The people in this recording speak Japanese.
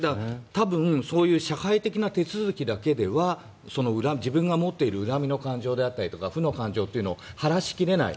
多分、そういう社会的な手続きだけでは自分が持っている恨みの感情であったり負の感情を晴らし切れない。